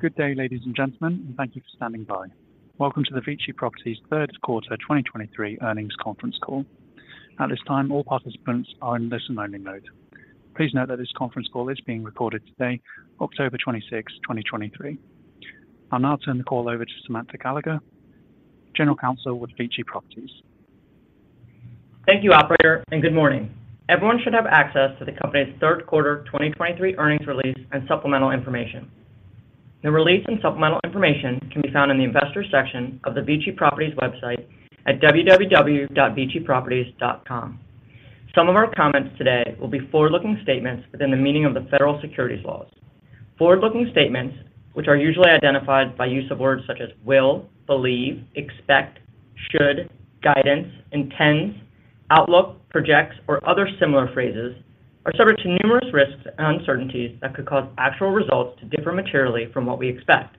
Good day, ladies and gentlemen, and thank you for standing by. Welcome to the VICI Properties Third Quarter 2023 Earnings Conference Call. At this time, all participants are in listen-only mode. Please note that this conference call is being recorded today, October 26, 2023. I'll now turn the call over to Samantha Gallagher, General Counsel with VICI Properties. Thank you, Operator, and good morning. Everyone should have access to the company's third quarter 2023 earnings release and supplemental information. The release and supplemental information can be found in the Investors section of the VICI Properties website at www.viciproperties.com. Some of our comments today will be forward-looking statements within the meaning of the federal securities laws. Forward-looking statements, which are usually identified by use of words such as will, believe, expect, should, guidance, intends, outlook, projects, or other similar phrases, are subject to numerous risks and uncertainties that could cause actual results to differ materially from what we expect.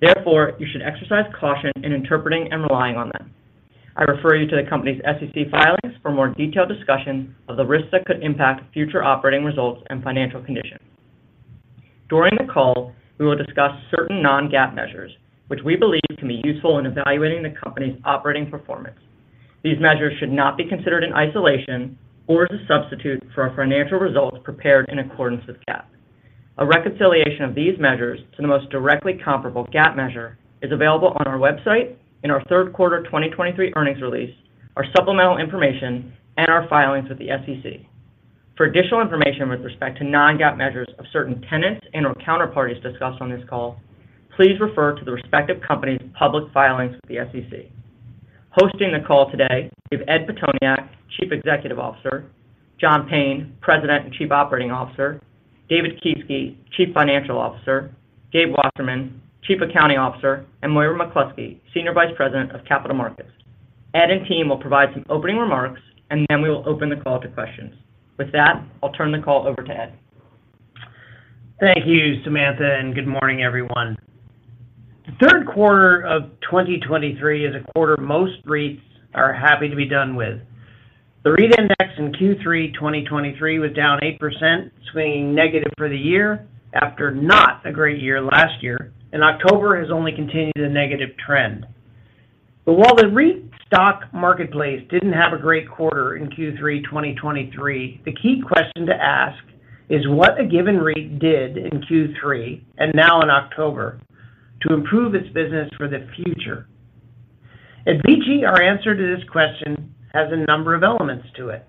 Therefore, you should exercise caution in interpreting and relying on them. I refer you to the company's SEC filings for more detailed discussion of the risks that could impact future operating results and financial conditions. During the call, we will discuss certain non-GAAP measures, which we believe can be useful in evaluating the company's operating performance. These measures should not be considered in isolation or as a substitute for our financial results prepared in accordance with GAAP. A reconciliation of these measures to the most directly comparable GAAP measure is available on our website in our third quarter 2023 earnings release, our supplemental information, and our filings with the SEC. For additional information with respect to non-GAAP measures of certain tenants and/or counterparties discussed on this call, please refer to the respective company's public filings with the SEC. Hosting the call today is Ed Pitoniak, Chief Executive Officer, John Payne, President and Chief Operating Officer, David Kieske, Chief Financial Officer, Gabriel Wasserman, Chief Accounting Officer, and Moira McCloskey, Senior Vice President of Capital Markets. Ed and team will provide some opening remarks, and then we will open the call to questions. With that, I'll turn the call over to Ed. Thank you, Samantha, and good morning, everyone. The third quarter of 2023 is a quarter most REITs are happy to be done with. The REIT index in Q3 2023 was down 8%, swinging negative for the year after not a great year last year, and October has only continued the negative trend. But while the REIT stock marketplace didn't have a great quarter in Q3 2023, the key question to ask is what a given REIT did in Q3, and now in October, to improve its business for the future. At VICI, our answer to this question has a number of elements to it.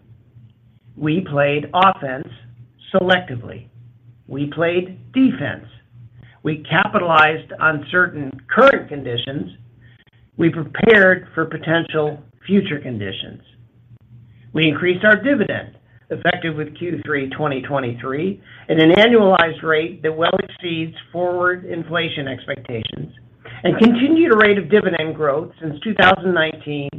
We played offense selectively. We played defense. We capitalized on certain current conditions. We prepared for potential future conditions. We increased our dividend, effective with Q3 2023, at an annualized rate that well exceeds forward inflation expectations, and continued a rate of dividend growth since 2019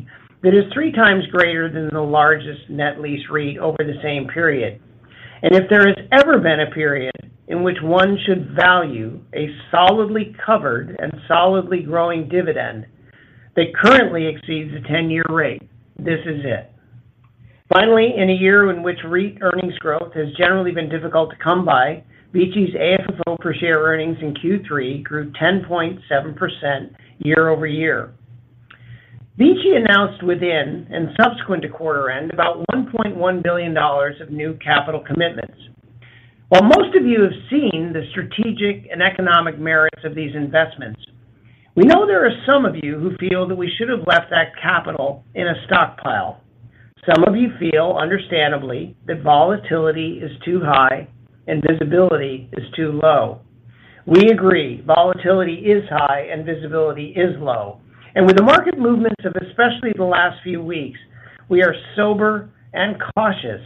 that is three times greater than the largest net lease REIT over the same period. And if there has ever been a period in which one should value a solidly covered and solidly growing dividend that currently exceeds a 10-year rate, this is it. Finally, in a year in which REIT earnings growth has generally been difficult to come by, VICI's AFFO per share earnings in Q3 grew 10.7% year-over-year. VICI announced within and subsequent to quarter end, about $1.1 billion of new capital commitments. While most of you have seen the strategic and economic merits of these investments, we know there are some of you who feel that we should have left that capital in a stockpile. Some of you feel, understandably, that volatility is too high and visibility is too low. We agree, volatility is high and visibility is low, and with the market movements of especially the last few weeks, we are sober and cautious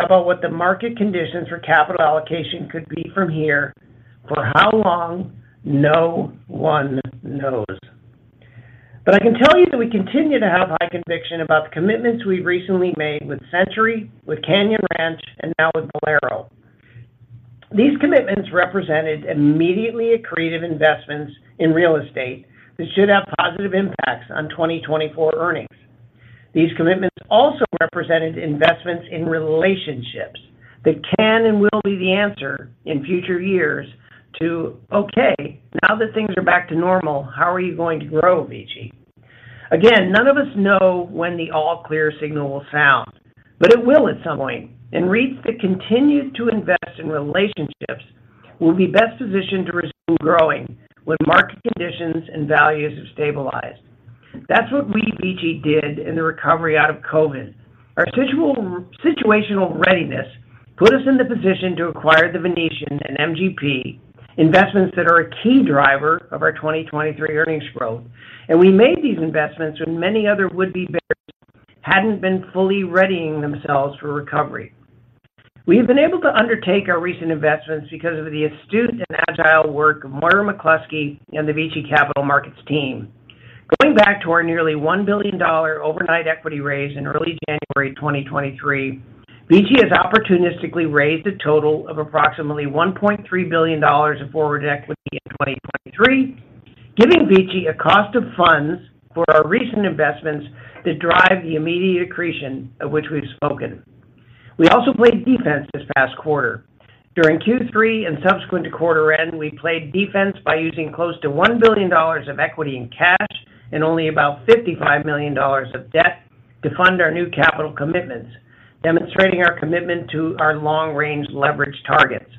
about what the market conditions for capital allocation could be from here. For how long? No one knows. But I can tell you that we continue to have high conviction about the commitments we recently made with Century, with Canyon Ranch, and now with Bowlero. These commitments represented immediately accretive investments in real estate that should have positive impacts on 2024 earnings. These commitments also represented investments in relationships that can and will be the answer in future years to, "Okay, now that things are back to normal, how are you going to grow, VICI?" Again, none of us know when the all-clear signal will sound, but it will at some point, and REITs that continue to invest in relationships will be best positioned to resume growing when market conditions and values have stabilized. That's what we, VICI, did in the recovery out of COVID. Our situational readiness put us in the position to acquire The Venetian and MGP, investments that are a key driver of our 2023 earnings growth. And we made these investments when many other would-be bears hadn't been fully readying themselves for recovery. We have been able to undertake our recent investments because of the astute and agile work of Moira McCloskey and the VICI Capital Markets team. Going back to our nearly $1 billion overnight equity raise in early January 2023, VICI has opportunistically raised a total of approximately $1.3 billion in forward equity in 2023, giving VICI a cost of funds for our recent investments that drive the immediate accretion of which we've spoken. We also played defense this past quarter. During Q3 and subsequent to quarter end, we played defense by using close to $1 billion of equity and cash, and only about $55 million of debt to fund our new capital commitments, demonstrating our commitment to our long-range leverage targets.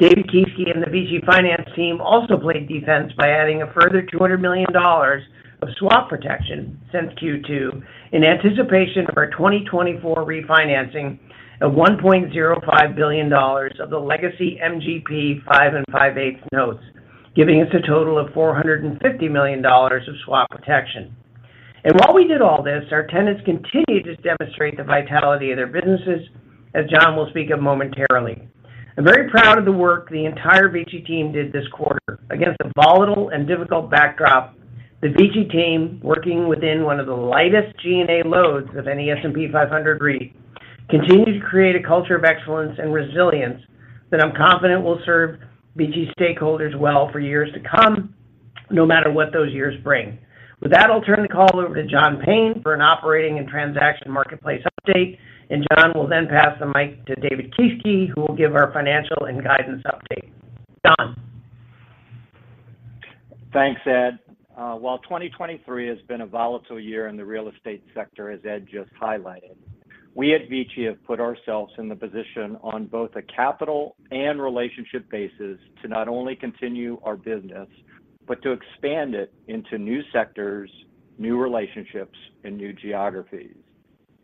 David Kieske and the VICI finance team also played defense by adding a further $200 million of swap protection since Q2, in anticipation of our 2024 refinancing of $1.05 billion of the legacy MGP 5.625% notes, giving us a total of $450 million of swap protection. While we did all this, our tenants continued to demonstrate the vitality of their businesses, as John will speak of momentarily. I'm very proud of the work the entire VICI team did this quarter. Against a volatile and difficult backdrop, the VICI team, working within one of the lightest G&A loads of any S&P 500 REIT, continued to create a culture of excellence and resilience that I'm confident will serve VICI stakeholders well for years to come, no matter what those years bring. With that, I'll turn the call over to John Payne for an operating and transaction marketplace update, and John will then pass the mic to David Kieske, who will give our financial and guidance update. John? Thanks, Ed. While 2023 has been a volatile year in the real estate sector, as Ed just highlighted, we at VICI have put ourselves in the position on both a capital and relationship basis to not only continue our business, but to expand it into new sectors, new relationships, and new geographies.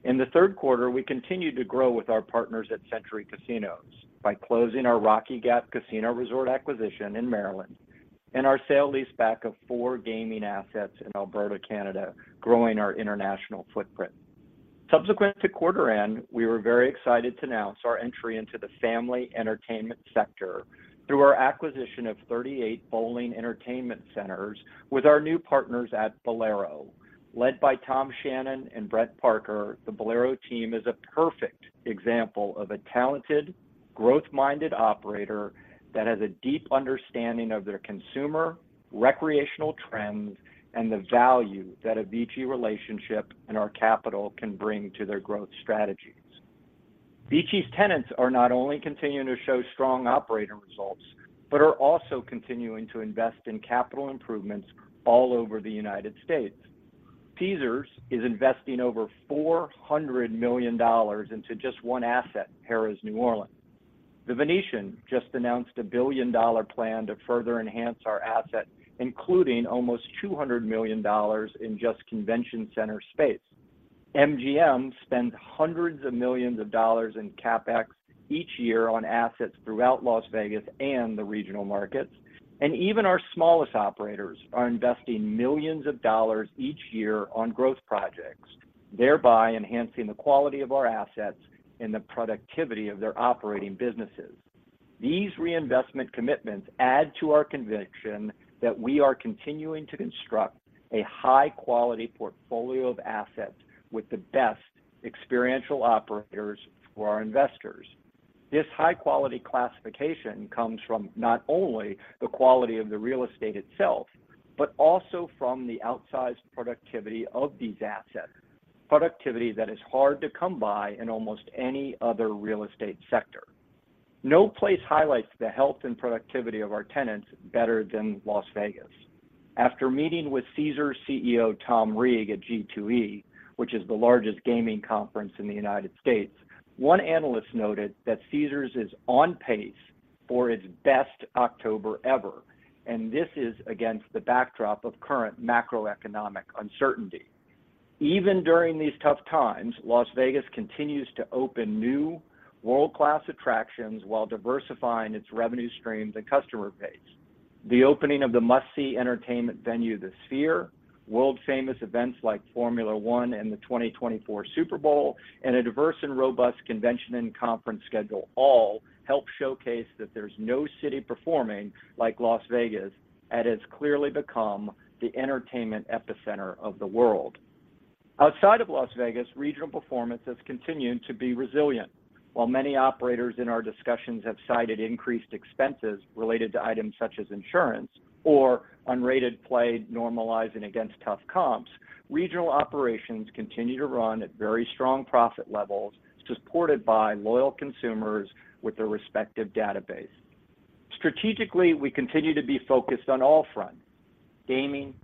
In the third quarter, we continued to grow with our partners at Century Casinos by closing our Rocky Gap Casino Resort acquisition in Maryland, and our sale-leaseback of four gaming assets in Alberta, Canada, growing our international footprint. Subsequent to quarter end, we were very excited to announce our entry into the family entertainment sector through our acquisition of 38 bowling entertainment centers with our new partners at Bowlero. Led by Tom Shannon and Brett Parker, the Bowlero team is a perfect example of a talented, growth-minded operator that has a deep understanding of their consumer, recreational trends, and the value that a VICI relationship and our capital can bring to their growth strategies. VICI's tenants are not only continuing to show strong operating results, but are also continuing to invest in capital improvements all over the United States. Caesars is investing over $400 million into just one asset, Harrah's New Orleans. The Venetian just announced a $1 billion plan to further enhance our asset, including almost $200 million in just convention center space. MGM spends hundreds of millions of dollars in CapEx each year on assets throughout Las Vegas and the regional markets. Even our smallest operators are investing millions of dollars each year on growth projects, thereby enhancing the quality of our assets and the productivity of their operating businesses. These reinvestment commitments add to our conviction that we are continuing to construct a high-quality portfolio of assets with the best experiential operators for our investors. This high-quality classification comes from not only the quality of the real estate itself, but also from the outsized productivity of these assets, productivity that is hard to come by in almost any other real estate sector. No place highlights the health and productivity of our tenants better than Las Vegas. After meeting with Caesars' CEO, Tom Reeg, at G2E, which is the largest gaming conference in the United States, one analyst noted that Caesars is on pace for its best October ever, and this is against the backdrop of current macroeconomic uncertainty. Even during these tough times, Las Vegas continues to open new world-class attractions while diversifying its revenue streams and customer base. The opening of the must-see entertainment venue, The Sphere, world-famous events like Formula 1 and the 2024 Super Bowl, and a diverse and robust convention and conference schedule, all help showcase that there's no city performing like Las Vegas, and has clearly become the entertainment epicenter of the world. Outside of Las Vegas, regional performance has continued to be resilient. While many operators in our discussions have cited increased expenses related to items such as insurance or unrated play, normalizing against tough comps, regional operations continue to run at very strong profit levels, supported by loyal consumers with their respective database. Strategically, we continue to be focused on all fronts: gaming,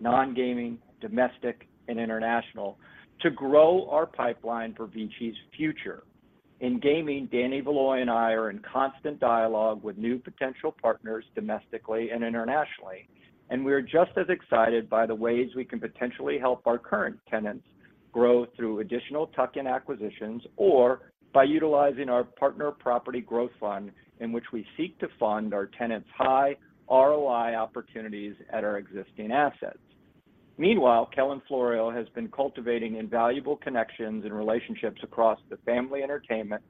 non-gaming, domestic, and international, to grow our pipeline for VICI's future. In gaming, Danny Valoy and I are in constant dialogue with new potential partners, domestically and internationally. We are just as excited by the ways we can potentially help our current tenants grow through additional tuck-in acquisitions or by utilizing our Partner Property Growth Fund, in which we seek to fund our tenants' high ROI opportunities at our existing assets. Meanwhile, Kellan Florio has been cultivating invaluable connections and relationships across the family entertainment,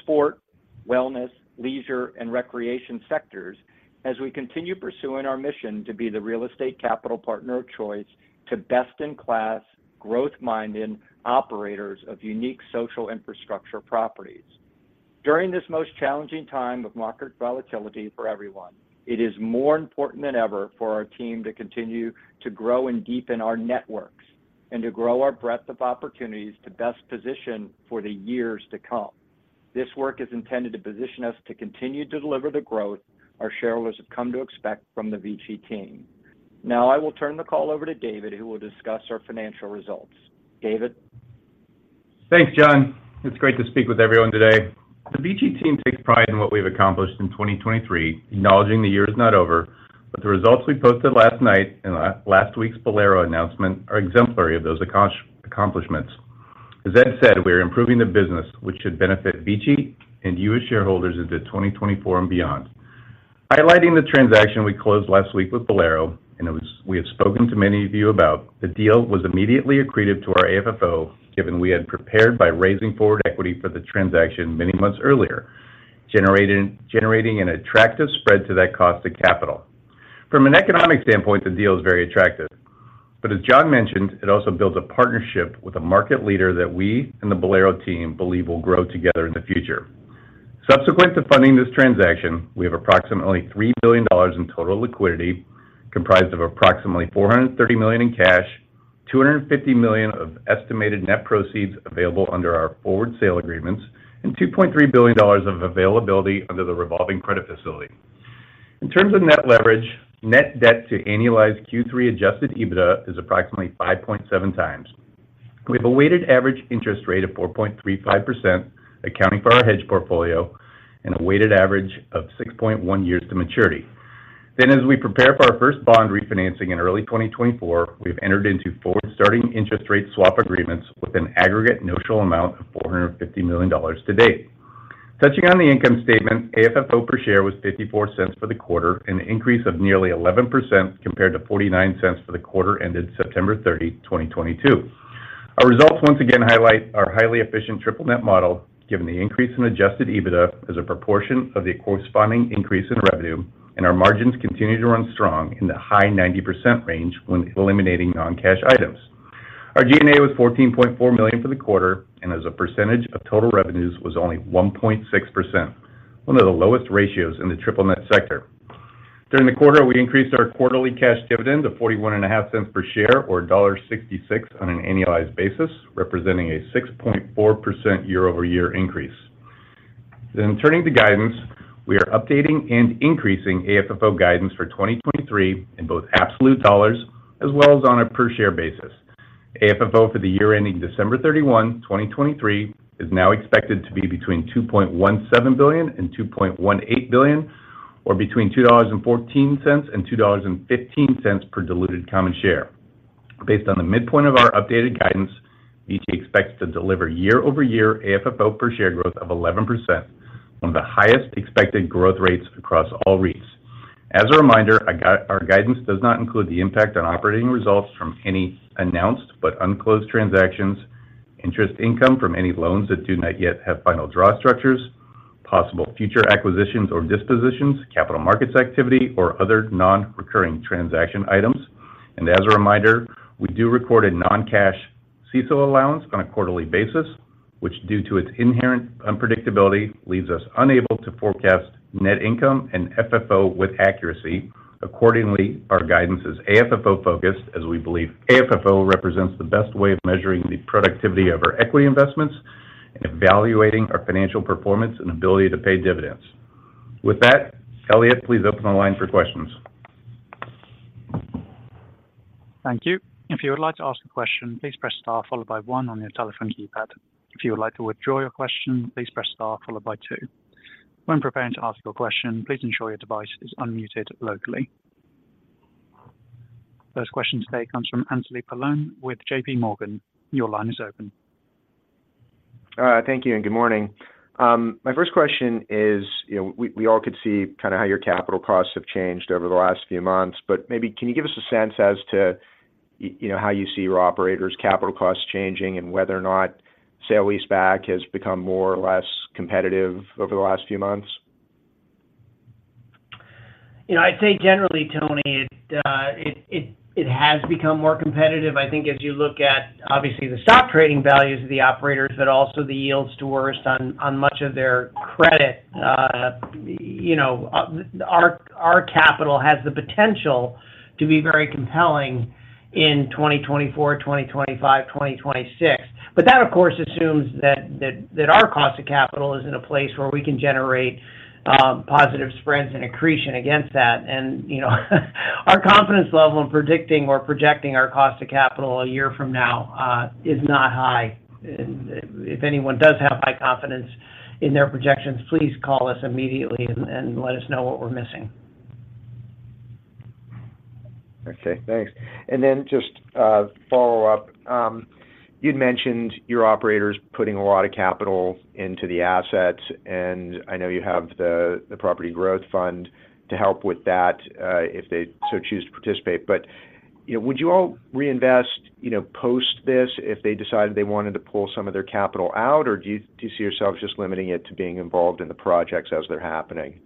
sport, wellness, leisure, and recreation sectors as we continue pursuing our mission to be the real estate capital partner of choice to best-in-class, growth-minded operators of unique social infrastructure properties.... During this most challenging time of market volatility for everyone, it is more important than ever for our team to continue to grow and deepen our networks, and to grow our breadth of opportunities to best position for the years to come. This work is intended to position us to continue to deliver the growth our shareholders have come to expect from the VICI team. Now, I will turn the call over to David, who will discuss our financial results. David? Thanks, John. It's great to speak with everyone today. The VICI team takes pride in what we've accomplished in 2023, acknowledging the year is not over. But the results we posted last night and last week's Bowlero announcement are exemplary of those accomplishments. As Ed said, we are improving the business, which should benefit VICI, and you as shareholders into 2024 and beyond. Highlighting the transaction we closed last week with Bowlero, and it was. We have spoken to many of you about, the deal was immediately accretive to our AFFO, given we had prepared by raising forward equity for the transaction many months earlier, generating an attractive spread to that cost of capital. From an economic standpoint, the deal is very attractive. But as John mentioned, it also builds a partnership with a market leader that we and the Bowlero team believe will grow together in the future. Subsequent to funding this transaction, we have approximately $3 billion in total liquidity, comprised of approximately $430 million in cash, $250 million of estimated net proceeds available under our forward sale agreements, and $2.3 billion of availability under the revolving credit facility. In terms of net leverage, net debt to annualized Q3 adjusted EBITDA is approximately 5.7x. We have a weighted average interest rate of 4.35%, accounting for our hedge portfolio, and a weighted average of 6.1 years to maturity. Then, as we prepare for our first bond refinancing in early 2024, we've entered into forward starting interest rate swap agreements with an aggregate notional amount of $450 million to date. Touching on the income statement, AFFO per share was $0.54 for the quarter, an increase of nearly 11% compared to $0.49 for the quarter ended September 30, 2022. Our results once again highlight our highly efficient triple net model, given the increase in adjusted EBITDA as a proportion of the corresponding increase in revenue, and our margins continue to run strong in the high 90% range when eliminating non-cash items. Our G&A was $14.4 million for the quarter, and as a percentage of total revenues, was only 1.6%, one of the lowest ratios in the triple net sector. During the quarter, we increased our quarterly cash dividend to $0.415 per share, or $1.66 on an annualized basis, representing a 6.4% year-over-year increase. Then turning to guidance, we are updating and increasing AFFO guidance for 2023 in both absolute dollars as well as on a per share basis. AFFO for the year ending December 31, 2023, is now expected to be between $2.17 billion and $2.18 billion, or between $2.14 and $2.15 per diluted common share. Based on the midpoint of our updated guidance, VICI expects to deliver year-over-year AFFO per share growth of 11%, one of the highest expected growth rates across all REITs. As a reminder, our guidance does not include the impact on operating results from any announced but unclosed transactions, interest income from any loans that do not yet have final draw structures, possible future acquisitions or dispositions, capital markets activity, or other non-recurring transaction items. As a reminder, we do record a non-cash CECL allowance on a quarterly basis, which, due to its inherent unpredictability, leaves us unable to forecast net income and FFO with accuracy. Accordingly, our guidance is AFFO focused, as we believe AFFO represents the best way of measuring the productivity of our equity investments and evaluating our financial performance and ability to pay dividends. With that, Elliot, please open the line for questions. Thank you. If you would like to ask a question, please press star followed by one on your telephone keypad. If you would like to withdraw your question, please press star followed by two. When preparing to ask your question, please ensure your device is unmuted locally. First question today comes from Anthony Paolone with JPMorgan. Your line is open. Thank you and good morning. My first question is, you know, we all could see kinda how your capital costs have changed over the last few months, but maybe can you give us a sense as to you know, how you see your operators' capital costs changing, and whether or not sale-leaseback has become more or less competitive over the last few months? You know, I'd say generally, Tony, it has become more competitive. I think as you look at, obviously, the stock trading values of the operators, but also the yields to worst on much of their credit. You know, our capital has the potential to be very compelling in 2024, 2025, 2026. But that, of course, assumes that our cost of capital is in a place where we can generate positive spreads and accretion against that. And, you know, our confidence level in predicting or projecting our cost of capital a year from now is not high. And if anyone does have high confidence in their projections, please call us immediately and let us know what we're missing. Okay, thanks. And then just, follow up. You'd mentioned your operators putting a lot of capital into the assets, and I know you have the property growth fund to help with that, if they so choose to participate. But, you know, would you all reinvest, you know, post this, if they decided they wanted to pull some of their capital out? Or do you see yourselves just limiting it to being involved in the projects as they're happening?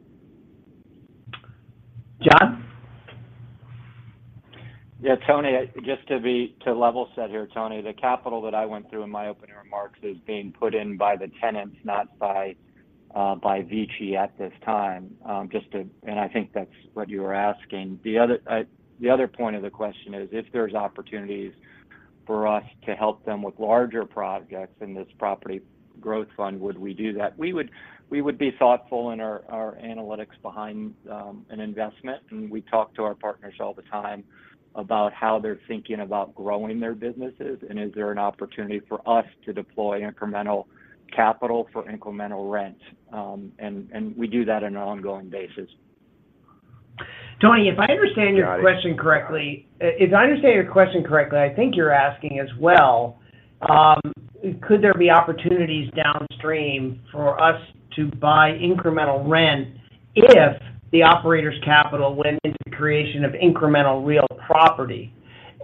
John? ... Yeah, Tony, just to be to level set here, Tony, the capital that I went through in my opening remarks is being put in by the tenants, not by, by VICI at this time, just to and I think that's what you were asking. The other, the other point of the question is, if there's opportunities for us to help them with larger projects in this property growth fund, would we do that? We would, we would be thoughtful in our, our analytics behind, an investment. And we talk to our partners all the time about how they're thinking about growing their businesses, and is there an opportunity for us to deploy incremental capital for incremental rent? And we do that on an ongoing basis. Tony, if I understand your question correctly, I think you're asking as well, could there be opportunities downstream for us to buy incremental rent if the operator's capital went into the creation of incremental real property?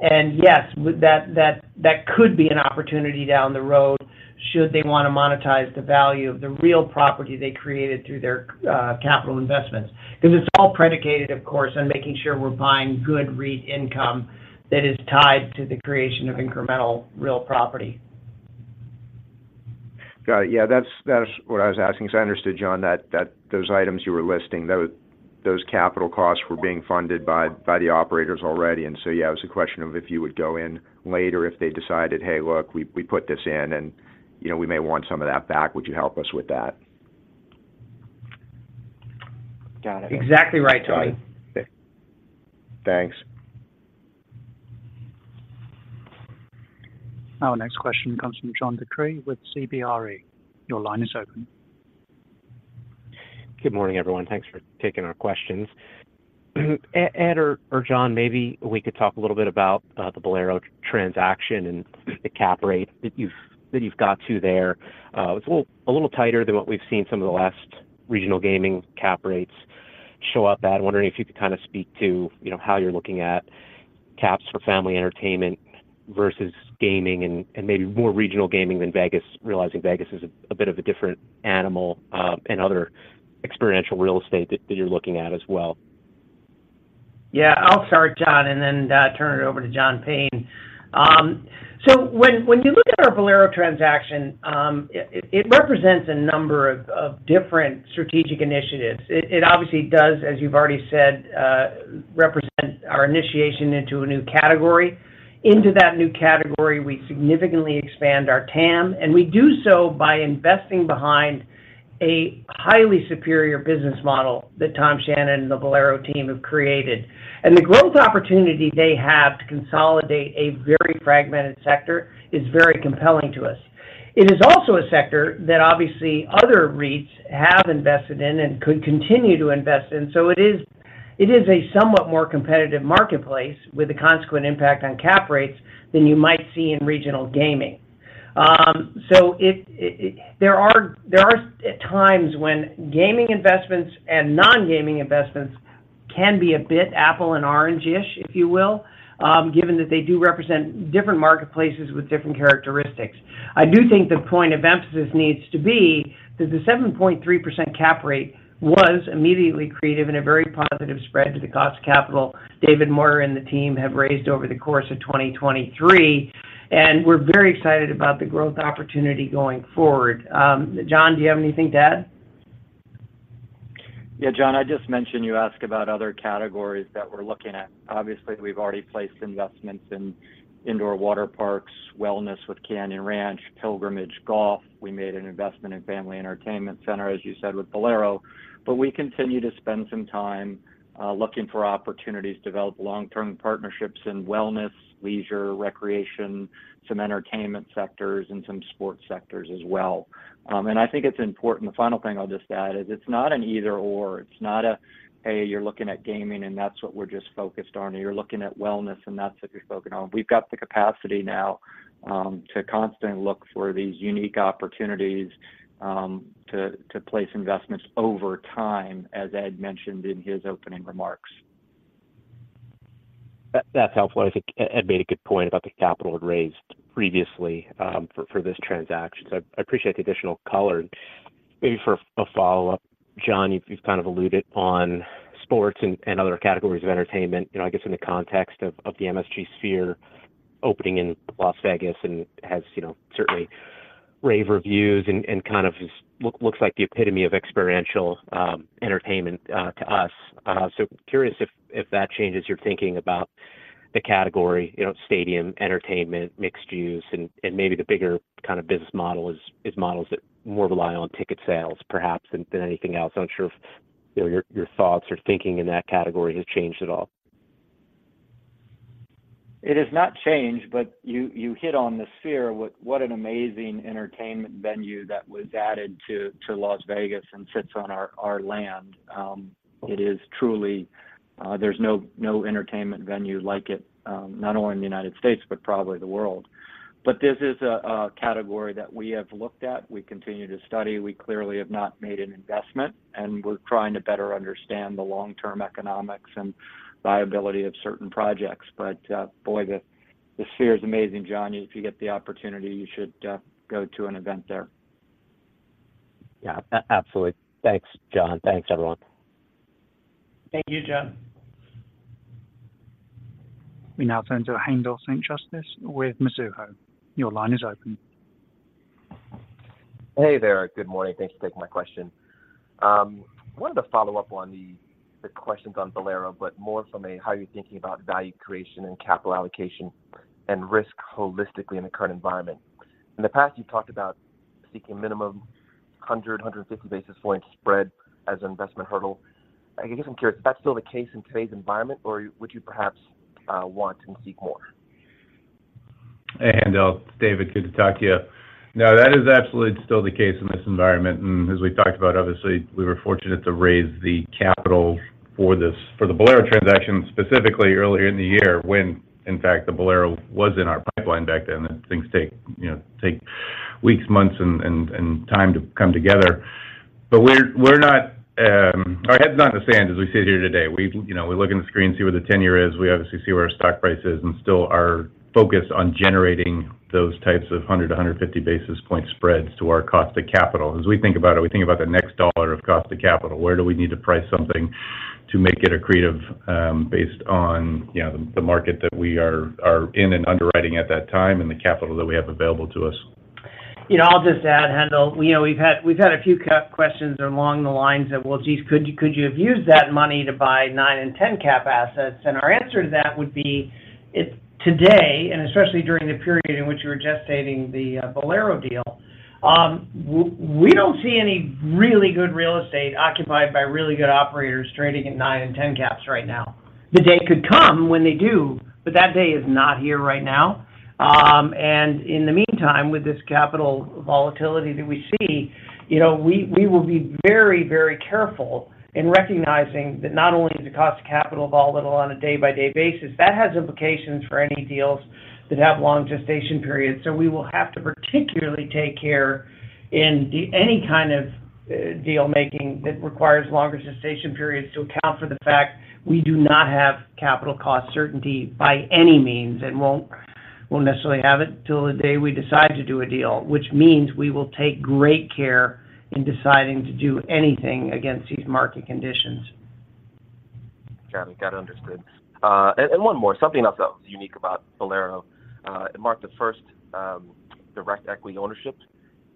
And yes, that could be an opportunity down the road, should they want to monetize the value of the real property they created through their capital investments. Because it's all predicated, of course, on making sure we're buying good REIT income that is tied to the creation of incremental real property. Got it. Yeah, that's what I was asking. Because I understood, John, that those items you were listing, those capital costs were being funded by the operators already. And so, yeah, it was a question of if you would go in later, if they decided, "Hey, look, we put this in, and, you know, we may want some of that back. Would you help us with that?" Got it. Exactly right, Tony. Got it. Okay. Thanks. Our next question comes from John DeCree with CBRE. Your line is open. Good morning, everyone. Thanks for taking our questions. Ed or John, maybe we could talk a little bit about the Bowlero transaction and the cap rate that you've got there. It's a little tighter than what we've seen some of the last regional gaming cap rates show up at. I'm wondering if you could kind of speak to, you know, how you're looking at caps for family entertainment versus gaming, and maybe more regional gaming than Vegas, realizing Vegas is a bit of a different animal, and other experiential real estate that you're looking at as well. Yeah, I'll start, John, and then turn it over to John Payne. So when you look at our Bowlero transaction, it represents a number of different strategic initiatives. It obviously does, as you've already said, represent our initiation into a new category. Into that new category, we significantly expand our TAM, and we do so by investing behind a highly superior business model that Tom Shannon and the Bowlero team have created. And the growth opportunity they have to consolidate a very fragmented sector is very compelling to us. It is also a sector that obviously other REITs have invested in and could continue to invest in. So it is a somewhat more competitive marketplace with a consequent impact on cap rates than you might see in regional gaming. So, there are times when gaming investments and non-gaming investments can be a bit apple and orange-ish, if you will, given that they do represent different marketplaces with different characteristics. I do think the point of emphasis needs to be that the 7.3% cap rate was immediately accretive in a very positive spread to the cost of capital David Kieske and the team have raised over the course of 2023, and we're very excited about the growth opportunity going forward. John, do you have anything to add? Yeah, John, I just mentioned you asked about other categories that we're looking at. Obviously, we've already placed investments in indoor water parks, wellness with Canyon Ranch, Cabot golf. We made an investment in family entertainment center, as you said, with Bowlero. But we continue to spend some time looking for opportunities to develop long-term partnerships in wellness, leisure, recreation, some entertainment sectors, and some sports sectors as well. And I think it's important. The final thing I'll just add is, it's not an either/or. It's not a, "Hey, you're looking at gaming, and that's what we're just focused on," or, "You're looking at wellness, and that's what you're focused on." We've got the capacity now to constantly look for these unique opportunities to place investments over time, as Ed mentioned in his opening remarks. That's helpful. I think Ed made a good point about the capital it raised previously for this transaction. I appreciate the additional color. Maybe for a follow-up, John, you've kind of alluded on sports and other categories of entertainment, you know, I guess, in the context of the MSG Sphere opening in Las Vegas, and has certainly rave reviews and kind of just looks like the epitome of experiential entertainment to us. So curious if that changes your thinking about the category, you know, stadium, entertainment, mixed use, and maybe the bigger kind of business model is models that more rely on ticket sales, perhaps, than anything else. I'm not sure if, you know, your thoughts or thinking in that category has changed at all. It has not changed, but you hit on the Sphere. What an amazing entertainment venue that was added to Las Vegas and sits on our land. It is truly; there's no entertainment venue like it, not only in the United States, but probably the world. But this is a category that we have looked at, we continue to study. We clearly have not made an investment, and we're trying to better understand the long-term economics and viability of certain projects. But, boy, the Sphere is amazing, John. If you get the opportunity, you should go to an event there.... Yeah, absolutely. Thanks, John. Thanks, everyone. Thank you, John. We now turn to Haendel St. Juste with Mizuho. Your line is open. Hey there. Good morning. Thanks for taking my question. Wanted to follow up on the questions on Bowlero, but more from a how are you thinking about value creation and capital allocation and risk holistically in the current environment? In the past, you've talked about seeking minimum 150 basis point spread as an investment hurdle. I guess I'm curious, is that still the case in today's environment, or would you perhaps want and seek more? Hey, Haendel, David, good to talk to you. No, that is absolutely still the case in this environment, and as we talked about, obviously, we were fortunate to raise the capital for this, for the Bowlero transaction, specifically earlier in the year, when in fact, the Bowlero was in our pipeline back then. Things take, you know, take weeks, months, and time to come together. We're not-- our head's not in the sand as we sit here today. We, you know, we look in the screen, see where the 10-year is, we obviously see where our stock price is, and still are focused on generating those types of 100, 150 basis point spreads to our cost of capital. As we think about it, we think about the next dollar of cost of capital. Where do we need to price something to make it accretive, based on, you know, the market that we are in and underwriting at that time, and the capital that we have available to us? You know, I'll just add, Haendel, we know we've had a few questions along the lines of, well, geez, could you, could you have used that money to buy nine and 10 cap assets? And our answer to that would be, it today, and especially during the period in which we were gestating the Bowlero deal, we don't see any really good real estate occupied by really good operators trading in nine and 10 caps right now. The day could come when they do, but that day is not here right now. And in the meantime, with this capital volatility that we see, you know, we will be very, very careful in recognizing that not only is the cost of capital volatile on a day-by-day basis, that has implications for any deals that have long gestation periods. We will have to particularly take care in any kind of deal-making that requires longer gestation periods to account for the fact we do not have capital cost certainty by any means, and won't necessarily have it till the day we decide to do a deal, which means we will take great care in deciding to do anything against these market conditions. Got it. Got it, understood. And, and one more. Something else that was unique about Bowlero, it marked the first direct equity ownership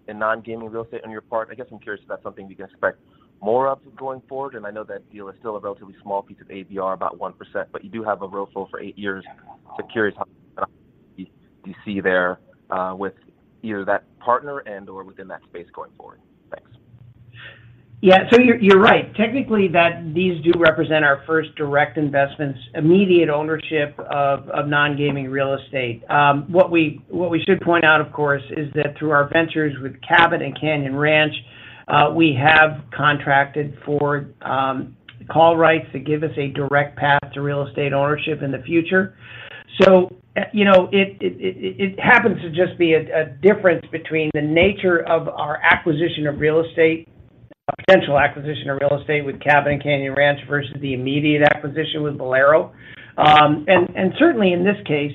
in non-gaming real estate on your part. I guess I'm curious if that's something we can expect more of going forward, and I know that deal is still a relatively small piece of ABR, about 1%, but you do have a ROFO for eight years. So curious, you, you see there, with either that partner and/or within that space going forward. Thanks. Yeah. So you're, you're right. Technically, that these do represent our first direct investments, immediate ownership of, of non-gaming real estate. What we, what we should point out, of course, is that through our ventures with Cabot and Canyon Ranch, we have contracted for, call rights that give us a direct path to real estate ownership in the future. So, you know, it happens to just be a, a difference between the nature of our acquisition of real estate, a potential acquisition of real estate with Cabot and Canyon Ranch versus the immediate acquisition with Bowlero. And, certainly in this case,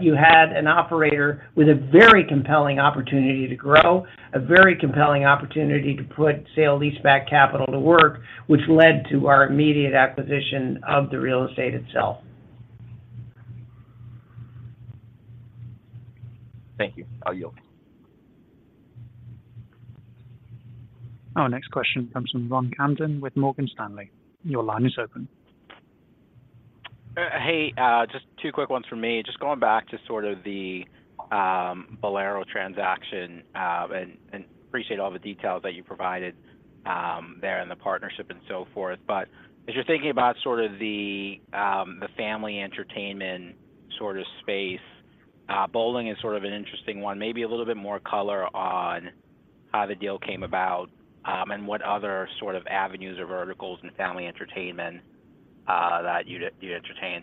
you had an operator with a very compelling opportunity to grow, a very compelling opportunity to put sale-leaseback capital to work, which led to our immediate acquisition of the real estate itself. Thank you. I'll yield. Our next question comes from Ronald Kamdem with Morgan Stanley. Your line is open. Hey, just two quick ones from me. Just going back to sort of the Bowlero transaction, and appreciate all the details that you provided there in the partnership and so forth. But as you're thinking about sort of the family entertainment sort of space, bowling is sort of an interesting one. Maybe a little bit more color on how the deal came about, and what other sort of avenues or verticals in family entertainment that you'd entertain?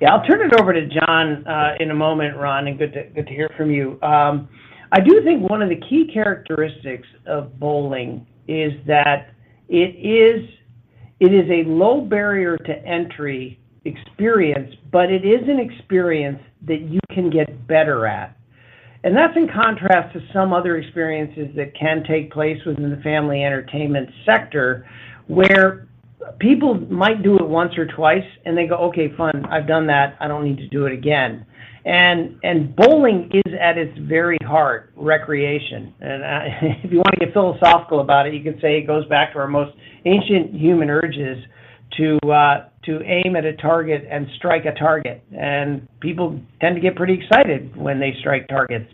Yeah. I'll turn it over to John, in a moment, Ron, and good to hear from you. I do think one of the key characteristics of bowling is that it is a low barrier to entry experience, but it is an experience that you can get better at. And that's in contrast to some other experiences that can take place within the family entertainment sector, where people might do it once or twice, and they go, "Okay, fun. I've done that. I don't need to do it again." And bowling is, at its very heart, recreation. And, if you want to get philosophical about it, you can say it goes back to our most ancient human urges to, to aim at a target and strike a target. And people tend to get pretty excited when they strike targets.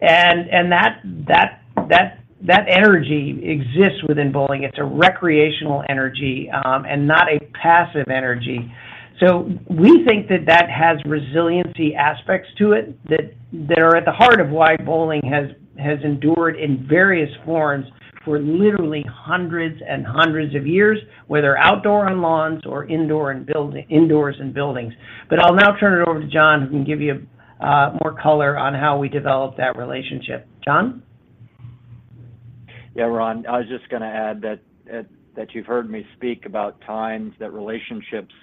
And that energy exists within bowling. It's a recreational energy, and not a passive energy. So we think that that has resiliency aspects to it, that they're at the heart of why bowling has endured in various forms for literally hundreds and hundreds of years, whether outdoor on lawns or indoors in buildings. But I'll now turn it over to John, who can give you more color on how we developed that relationship. John? Yeah, Ron, I was just gonna add that you've heard me speak about times that relationships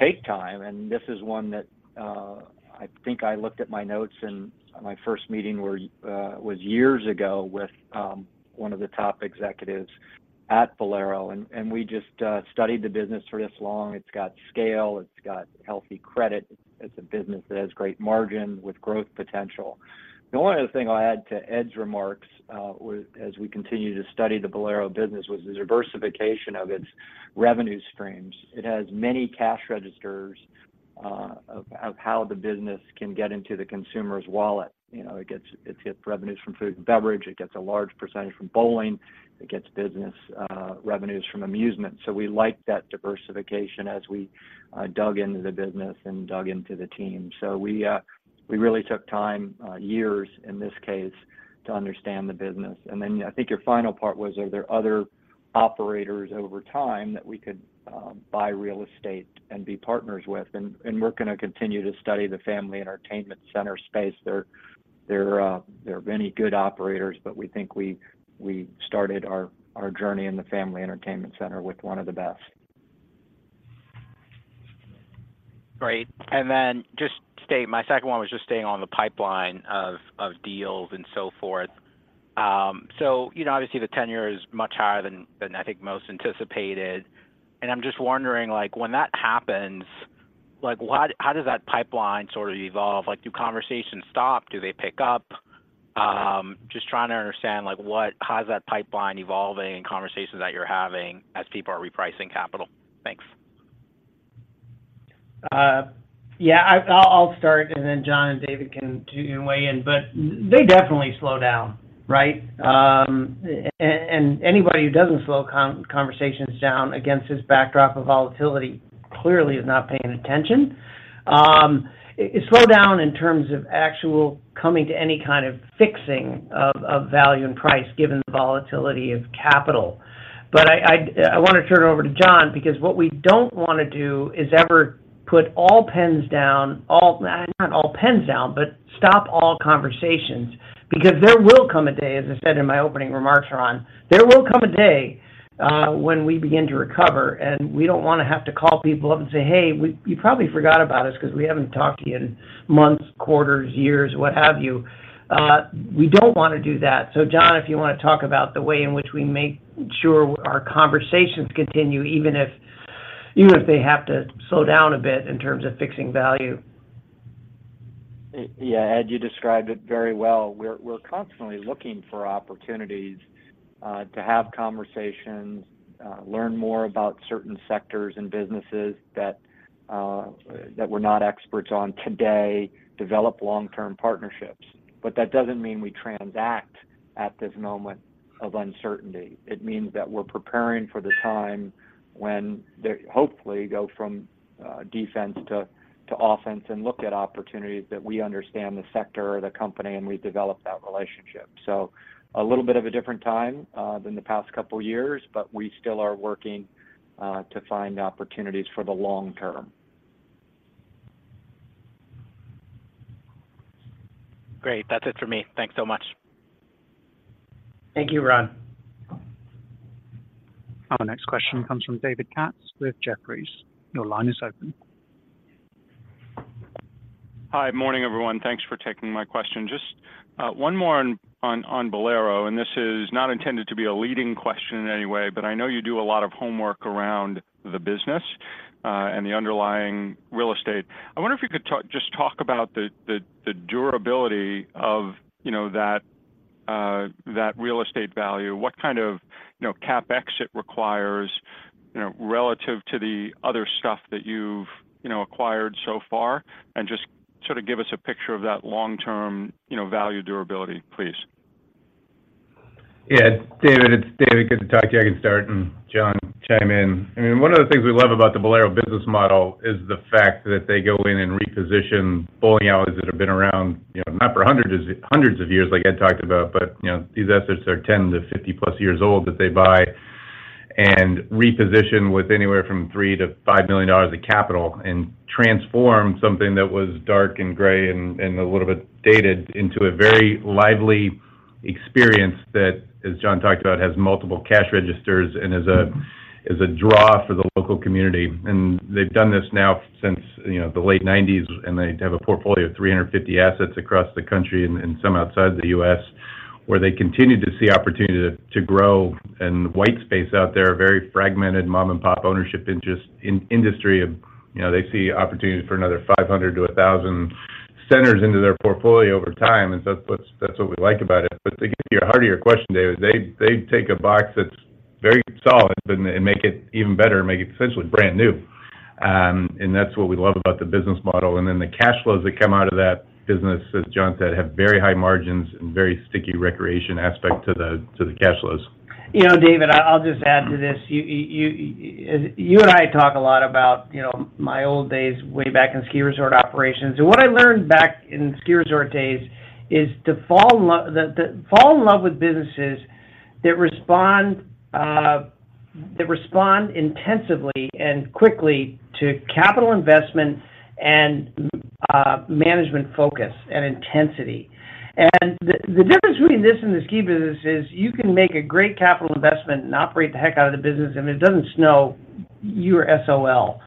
take time, and this is one that I think I looked at my notes, and my first meeting was years ago with one of the top executives at Bowlero, and we just studied the business for this long. It's got scale, it's got healthy credit. It's a business that has great margin with growth potential. The only other thing I'll add to Ed's remarks was as we continued to study the Bowlero business, was the diversification of its revenue streams. It has many cash registers of how the business can get into the consumer's wallet. You know, it gets revenues from food and beverage, it gets a large percentage from bowling, it gets business revenues from amusement. So we like that diversification as we dug into the business and dug into the team. So we really took time, years in this case, to understand the business. And then, I think your final part was, are there other operators over time that we could buy real estate and be partners with? And we're gonna continue to study the family entertainment center space. There are many good operators, but we think we started our journey in the family entertainment center with one of the best. Great. And then, just to state, my second one was just staying on the pipeline of deals and so forth. So, you know, obviously, the 10-year is much higher than I think most anticipated. And I'm just wondering, like, when that happens, like, what—how does that pipeline sort of evolve? Like, do conversations stop? Do they pick up? Just trying to understand, like, what—how is that pipeline evolving and conversations that you're having as people are repricing capital? Thanks. Yeah, I'll start, and then John and David can weigh in, but they definitely slow down, right? And anybody who doesn't slow conversations down against this backdrop of volatility clearly is not paying attention. It slow down in terms of actual coming to any kind of fixing of value and price, given the volatility of capital. But I want to turn it over to John, because what we don't want to do is ever put all pens down, all... not all pens down, but stop all conversations. Because there will come a day, as I said in my opening remarks, Ron, there will come a day, when we begin to recover, and we don't want to have to call people up and say, "Hey, you probably forgot about us 'cause we haven't talked to you in months, quarters, years," what have you. We don't want to do that. So John, if you want to talk about the way in which we make sure our conversations continue, even if, even if they have to slow down a bit in terms of fixing value. Yeah, Ed, you described it very well. We're constantly looking for opportunities to have conversations, learn more about certain sectors and businesses that we're not experts on today, develop long-term partnerships. But that doesn't mean we transact at this moment of uncertainty. It means that we're preparing for the time when they hopefully go from defense to offense, and look at opportunities that we understand the sector or the company, and we develop that relationship. So a little bit of a different time than the past couple of years, but we still are working to find opportunities for the long term. Great. That's it for me. Thanks so much. Thank you, Ron. Our next question comes from David Katz with Jefferies. Your line is open. Hi. Morning, everyone. Thanks for taking my question. Just one more on Bowlero, and this is not intended to be a leading question in any way, but I know you do a lot of homework around the business and the underlying real estate. I wonder if you could talk - just talk about the durability of, you know, that real estate value. What kind of, you know, CapEx it requires, you know, relative to the other stuff that you've, you know, acquired so far, and just sort of give us a picture of that long-term, you know, value durability, please. Yeah. David, it's David. Good to talk to you. I can start, and John, chime in. I mean, one of the things we love about the Bowlero business model is the fact that they go in and reposition bowling alleys that have been around, you know, not for hundreds of, hundreds of years, like Ed talked about, but, you know, these assets are 10-50+ years old, that they buy and reposition with anywhere from $3 million-$5 million of capital, and transform something that was dark and gray and, and a little bit dated into a very lively experience that, as John talked about, has multiple cash registers and is a, is a draw for the local community. They've done this now since, you know, the late 1990s, and they have a portfolio of 350 assets across the country and some outside the U.S., where they continue to see opportunity to grow. And the white space out there is very fragmented, mom-and-pop ownership in just the industry. You know, they see opportunities for another 500-1,000 centers into their portfolio over time, and that's what we like about it. But to get to the heart of your question, David, they take a box that's very solid and make it even better, and make it essentially brand new. And that's what we love about the business model. And then the cash flows that come out of that business, as John said, have very high margins and very sticky recreation aspect to the cash flows. You know, David, I'll just add to this. You and I talk a lot about, you know, my old days way back in ski resort operations. And what I learned back in ski resort days is to fall in love with businesses that respond intensively and quickly to capital investment and management focus and intensity. And the difference between this and the ski business is, you can make a great capital investment and operate the heck out of the business, and if it doesn't snow, you are SOL.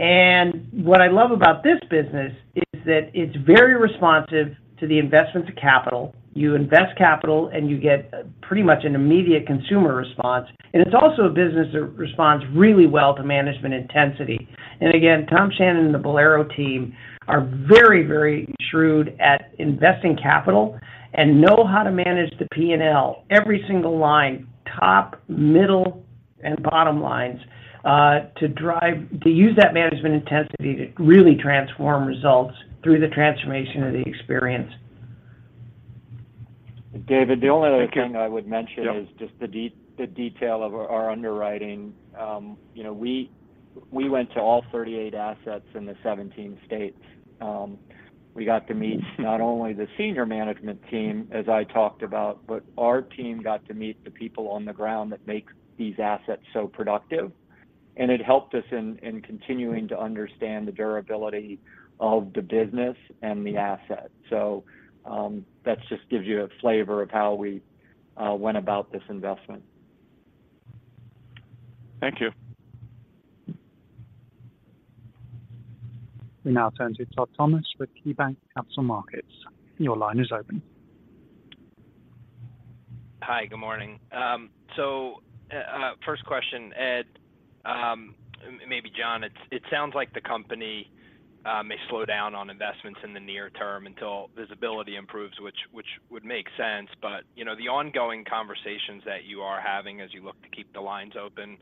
And what I love about this business is that it's very responsive to the investment to capital. You invest capital, and you get pretty much an immediate consumer response, and it's also a business that responds really well to management intensity. Again, Tom Shannon and the Bowlero team are very, very shrewd at investing capital and know how to manage the P&L, every single line, top, middle, and bottom lines, to use that management intensity to really transform results through the transformation of the experience. David, the only other thing I would mention- Yep. is just the detail of our underwriting. You know, we went to all 38 assets in the 17 states. We got to meet not only the senior management team, as I talked about, but our team got to meet the people on the ground that make these assets so productive, and it helped us in continuing to understand the durability of the business and the asset. So, that just gives you a flavor of how we went about this investment. Thank you. We now turn to Todd Thomas with KeyBanc Capital Markets. Your line is open. Hi, good morning. So, first question, Ed, maybe John, it sounds like the company may slow down on investments in the near term until visibility improves, which would make sense. But, you know, the ongoing conversations that you are having as you look to keep the lines open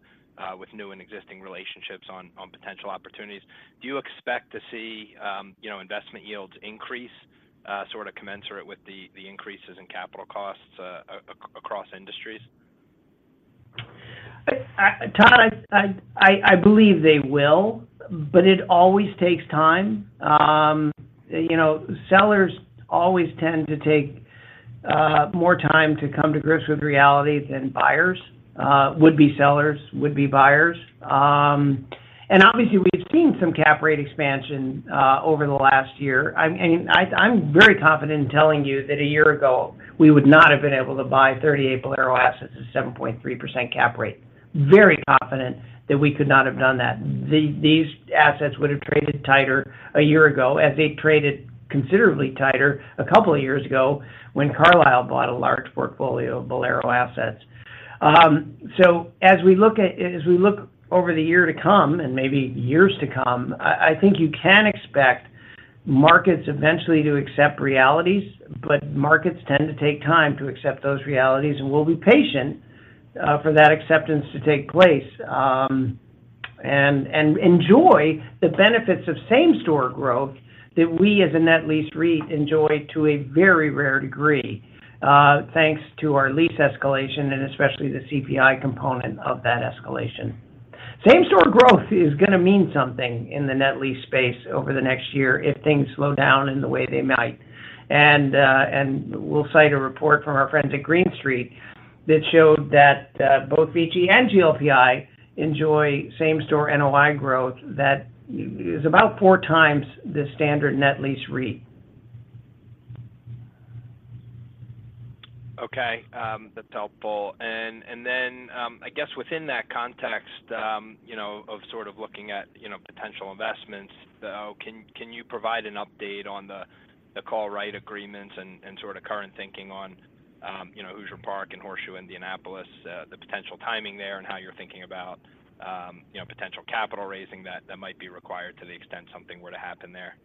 with new and existing relationships on potential opportunities, do you expect to see, you know, investment yields increase sort of commensurate with the increases in capital costs across industries? Todd, I believe they will, but it always takes time. You know, sellers always tend to take more time to come to grips with reality than buyers, would-be sellers, would-be buyers. And obviously, we've seen some cap rate expansion over the last year. I'm very confident in telling you that a year ago, we would not have been able to buy 38 Bowlero assets at 7.3% cap rate. Very confident that we could not have done that. These assets would have traded tighter a year ago, as they traded considerably tighter a couple of years ago when Carlyle bought a large portfolio of Bowlero assets. So as we look over the year to come, and maybe years to come, I think you can expect markets eventually to accept realities, but markets tend to take time to accept those realities, and we'll be patient for that acceptance to take place. And enjoy the benefits of same-store growth that we, as a net lease REIT, enjoy to a very rare degree, thanks to our lease escalation and especially the CPI component of that escalation. Same-store growth is going to mean something in the net lease space over the next year if things slow down in the way they might. And we'll cite a report from our friends at Green Street that showed that both VICI and GLPI enjoy same-store NOI growth that is about four times the standard net lease REIT. Okay, that's helpful. Then, I guess within that context, you know, of sort of looking at, you know, potential investments, though, can you provide an update on the call right agreements and sort of current thinking on, you know, Hoosier Park and Horseshoe Indianapolis, the potential timing there and how you're thinking about, you know, potential capital raising that might be required to the extent something were to happen there?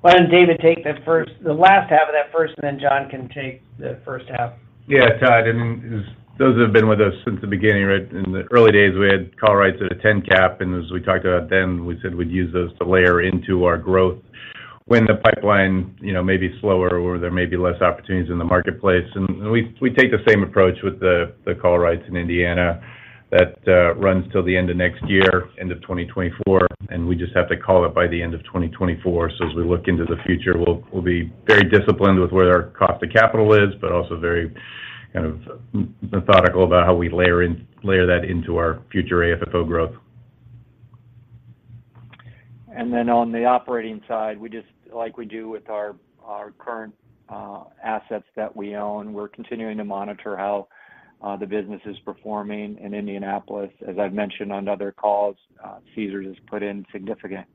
Why don't David take the last half of that first, and then John can take the first half. Yeah, Todd, and those that have been with us since the beginning, right? In the early days, we had call rights at a 10 cap, and as we talked about then, we said we'd use those to layer into our growth when the pipeline, you know, may be slower or there may be less opportunities in the marketplace. And we take the same approach with the call rights in Indiana. That runs till the end of next year, end of 2024, and we just have to call it by the end of 2024. So as we look into the future, we'll be very disciplined with where our cost of capital is, but also very kind of methodical about how we layer that into our future AFFO growth. And then on the operating side, we just... like we do with our, our current assets that we own, we're continuing to monitor how the business is performing in Indianapolis. As I've mentioned on other calls, Caesars has put in significant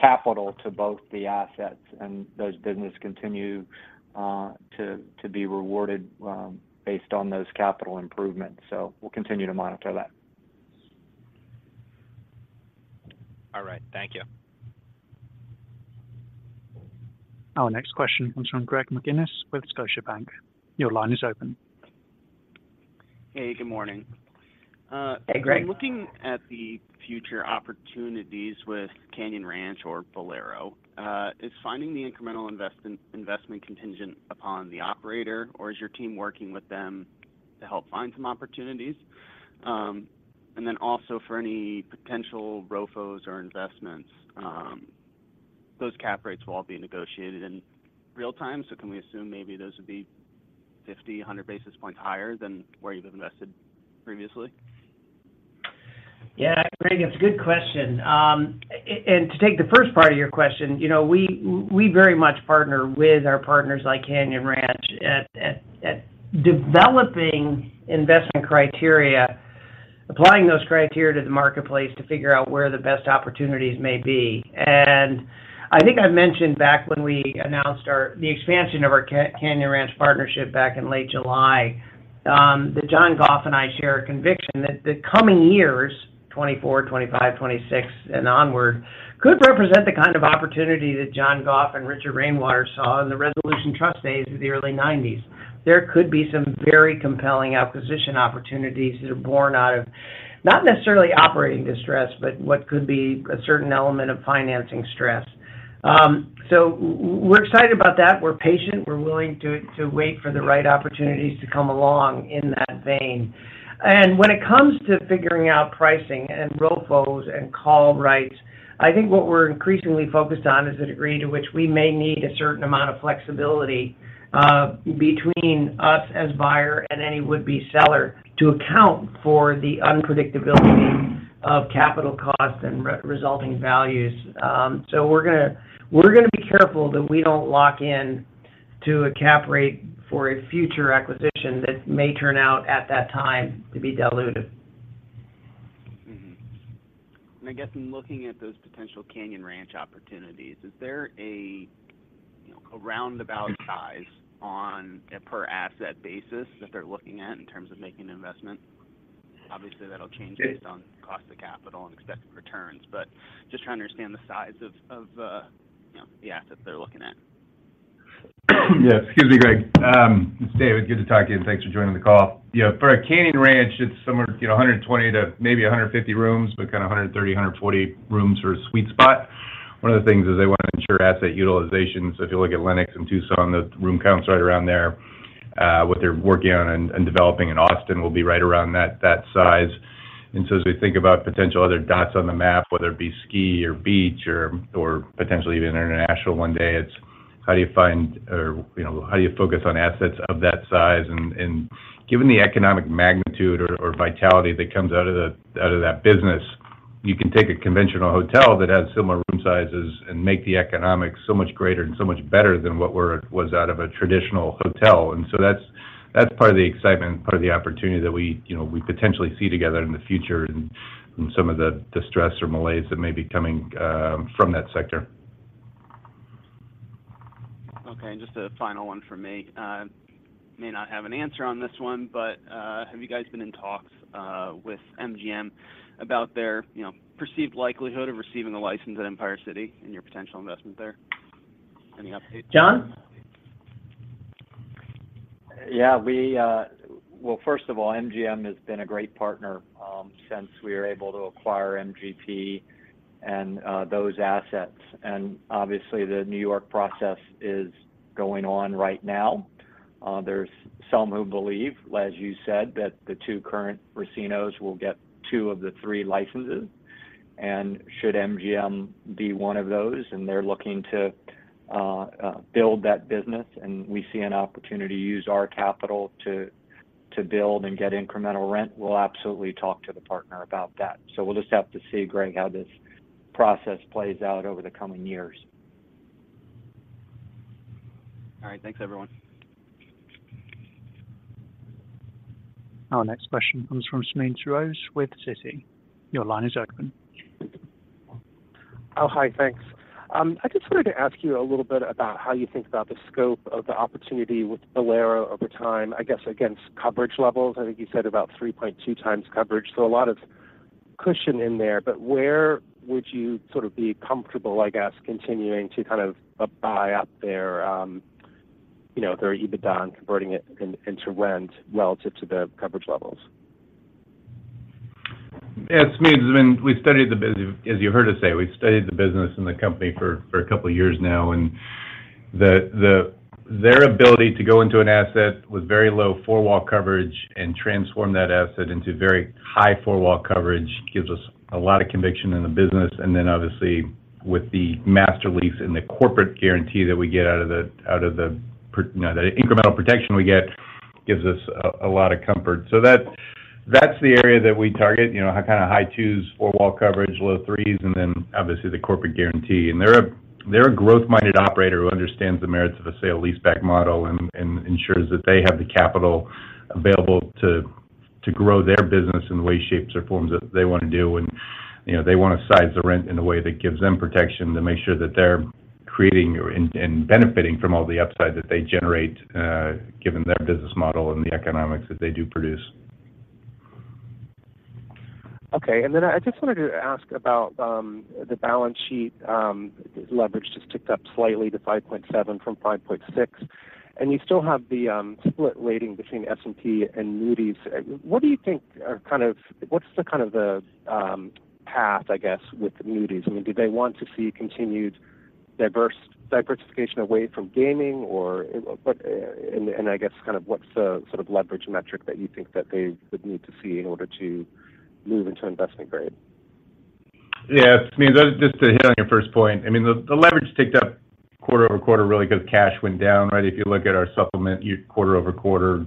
capital to both the assets, and those business continue to be rewarded based on those capital improvements. So we'll continue to monitor that. All right. Thank you. Our next question comes from Greg McGinniss with Scotiabank. Your line is open. Hey, good morning. Hey, Greg. When looking at the future opportunities with Canyon Ranch or Bowlero, is finding the incremental investment contingent upon the operator, or is your team working with them to help find some opportunities? And then also for any potential ROFOs or investments, those cap rates will all be negotiated in real time, so can we assume maybe those would be 50, 100 basis points higher than where you've invested previously? Yeah, Greg, it's a good question. And to take the first part of your question, you know, we very much partner with our partners like Canyon Ranch at developing investment criteria, applying those criteria to the marketplace to figure out where the best opportunities may be. And I think I mentioned back when we announced the expansion of our Canyon Ranch partnership back in late July, that John Goff and I share a conviction that the coming years, 2024, 2025, 2026, and onward, could represent the kind of opportunity that John Goff and Richard Rainwater saw in the Resolution Trust days of the early 1990s. There could be some very compelling acquisition opportunities that are born out of, not necessarily operating distress, but what could be a certain element of financing stress. So we're excited about that. We're patient. We're willing to wait for the right opportunities to come along in that vein. And when it comes to figuring out pricing, and ROFOs, and call rights, I think what we're increasingly focused on is the degree to which we may need a certain amount of flexibility between us as buyer and any would-be seller, to account for the unpredictability of capital costs and resulting values. So we're gonna be careful that we don't lock in to a cap rate for a future acquisition that may turn out, at that time, to be dilutive. Mm-hmm. And I guess in looking at those potential Canyon Ranch opportunities, is there a, you know, a roundabout size on a per asset basis that they're looking at in terms of making an investment? Obviously, that'll change based on cost of capital and expected returns, but just trying to understand the size of you know, the assets they're looking at. Yeah. Excuse me, Greg. It's David. Good to talk to you, and thanks for joining the call. Yeah, for a Canyon Ranch, it's somewhere, you know, 120 to maybe 150 rooms, but kind of 130, 140 rooms for a sweet spot. One of the things is they wanna ensure asset utilization. So if you look at Lenox and Tucson, the room count's right around there. What they're working on and, and developing in Austin will be right around that, that size. And so as we think about potential other dots on the map, whether it be ski or beach or, or potentially even international one day, it's how do you find or, you know, how do you focus on assets of that size? And given the economic magnitude or vitality that comes out of that business, you can take a conventional hotel that has similar room sizes and make the economics so much greater and so much better than what was out of a traditional hotel. And so that's part of the excitement, part of the opportunity that we, you know, we potentially see together in the future and from some of the distress or malaise that may be coming from that sector. Okay, and just a final one from me. May not have an answer on this one, but have you guys been in talks with MGM about their, you know, perceived likelihood of receiving a license at Empire City and your potential investment there? Any update? John? Yeah, we... Well, first of all, MGM has been a great partner, since we were able to acquire MGP and, those assets, and obviously the New York process is going on right now. There's some who believe, as you said, that the two current racinos will get two of the three licenses. And should MGM be one of those, and they're looking to, build that business, and we see an opportunity to use our capital to, build and get incremental rent, we'll absolutely talk to the partner about that. So we'll just have to see, Greg, how this process plays out over the coming years. All right. Thanks, everyone. Our next question comes from Smedes Rose with Citi. Your line is open. Oh, hi, thanks. I just wanted to ask you a little bit about how you think about the scope of the opportunity with Bowlero over time, I guess, against coverage levels. I think you said about 3.2x coverage, so a lot of cushion in there, but where would you sort of be comfortable, I guess, continuing to kind of buy up their, you know, their EBITDA and converting it into rent relative to the coverage levels? Yeah, Smedes, I mean, we studied the business as you heard us say, we've studied the business and the company for a couple of years now, and their ability to go into an asset with very low Four-Wall Coverage and transform that asset into very high Four-Wall Coverage gives us a lot of conviction in the business. And then, obviously, with the Master Lease and the corporate guarantee that we get out of the, you know, the incremental protection we get gives us a lot of comfort. So that's the area that we target, you know, kind of high twos, Four-Wall Coverage, low threes, and then obviously, the corporate guarantee. They're a growth-minded operator who understands the merits of a sale-leaseback model and ensures that they have the capital available to grow their business in the way, shapes, or forms that they want to do. And, you know, they want to size the rent in a way that gives them protection to make sure that they're creating and benefiting from all the upside that they generate, given their business model and the economics that they do produce. Okay. Then I just wanted to ask about the balance sheet. Leverage just ticked up slightly to 5.7 from 5.6, and you still have the split rating between S&P and Moody's. What do you think are kind of, what's the kind of the path, I guess, with Moody's? I mean, do they want to see continued diversification away from gaming, or what... And I guess kind of what's the sort of leverage metric that you think that they would need to see in order to move into investment grade?... Yeah, I mean, just to hit on your first point, I mean, the leverage ticked up quarter-over-quarter, really because cash went down, right? If you look at our supplement, your quarter-over-quarter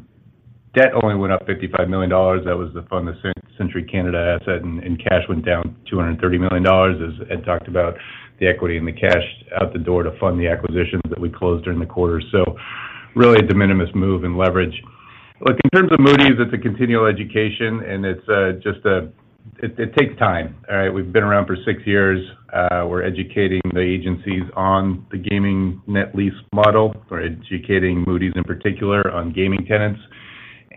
debt only went up $55 million. That was the funding for the Century Canada asset, and cash went down $230 million, as Ed talked about the equity and the cash out the door to fund the acquisitions that we closed during the quarter. So really a de minimis move in leverage. Look, in terms of Moody's, it's a continual education, and it's just it takes time. All right? We've been around for six years. We're educating the agencies on the gaming net lease model. We're educating Moody's in particular on gaming tenants,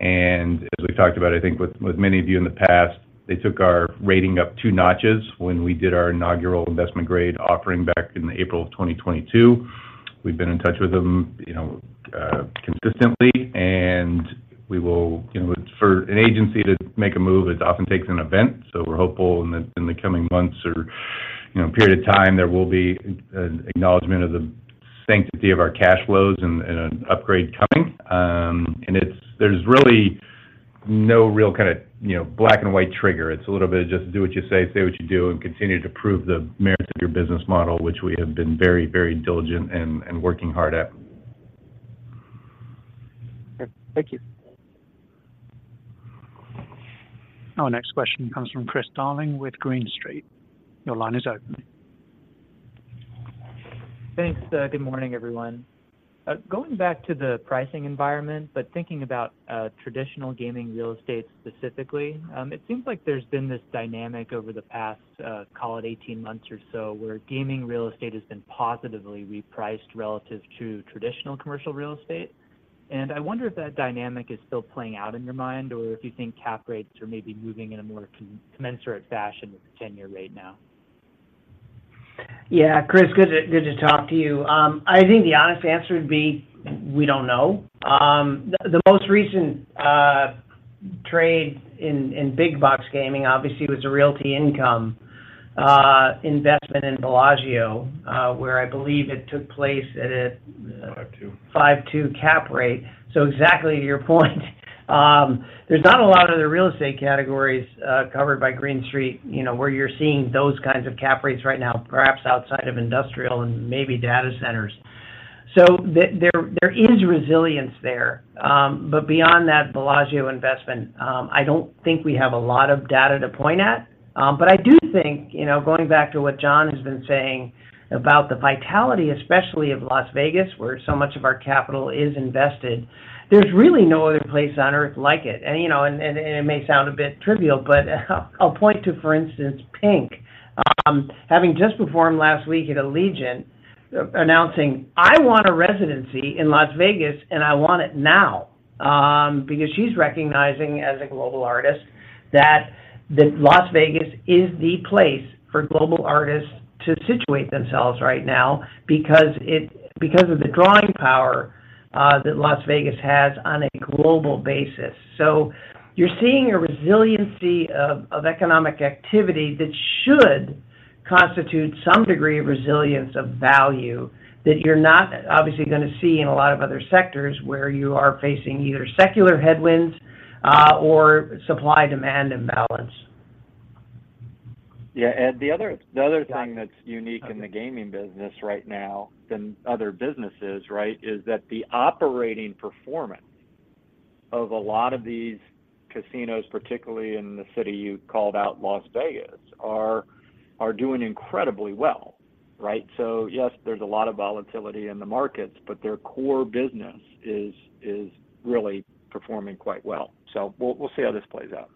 and as we've talked about, I think with, with many of you in the past, they took our rating up two notches when we did our inaugural investment grade offering back in April 2022. We've been in touch with them, you know, consistently, and we will. You know, for an agency to make a move, it often takes an event, so we're hopeful in the, in the coming months or, you know, period of time, there will be an acknowledgment of the sanctity of our cash flows and, and an upgrade coming. And it's. There's really no real kind of, you know, black-and-white trigger. It's a little bit of just do what you say, say what you do, and continue to prove the merits of your business model, which we have been very, very diligent and working hard at. Okay. Thank you. Our next question comes from Chris Darling with Green Street. Your line is open. Thanks, good morning, everyone. Going back to the pricing environment, but thinking about, traditional gaming real estate specifically, it seems like there's been this dynamic over the past, call it 18 months or so, where gaming real estate has been positively repriced relative to traditional commercial real estate. I wonder if that dynamic is still playing out in your mind, or if you think cap rates are maybe moving in a more concomitant fashion with the 10-year rate now? Yeah, Chris, good to, good to talk to you. I think the honest answer would be, we don't know. The most recent trade in big box gaming obviously was the Realty Income investment in Bellagio, where I believe it took place at a- Five two. 5.2 cap rate. So exactly to your point, there's not a lot of other real estate categories covered by Green Street, you know, where you're seeing those kinds of cap rates right now, perhaps outside of industrial and maybe data centers. So there is resilience there. But beyond that Bellagio investment, I don't think we have a lot of data to point at. But I do think, you know, going back to what John has been saying about the vitality, especially of Las Vegas, where so much of our capital is invested, there's really no other place on Earth like it. And, you know, it may sound a bit trivial, but I'll point to, for instance, Pink having just performed last week at Allegiant, announcing, "I want a residency in Las Vegas, and I want it now." Because she's recognizing, as a global artist, that Las Vegas is the place for global artists to situate themselves right now because of the drawing power that Las Vegas has on a global basis. So you're seeing a resiliency of economic activity that should constitute some degree of resilience of value, that you're not obviously gonna see in a lot of other sectors, where you are facing either secular headwinds or supply-demand imbalance. Yeah, Ed, the other thing that's unique in the gaming business right now than other businesses, right, is that the operating performance of a lot of these casinos, particularly in the city you called out, Las Vegas, are doing incredibly well, right? So yes, there's a lot of volatility in the markets, but their core business is really performing quite well. So we'll see how this plays out.